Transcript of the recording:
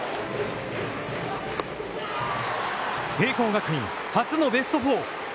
聖光学院、初のベスト４！